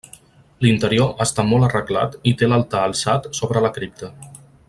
L'interior està molt arreglat i té l'altar alçat sobre la cripta.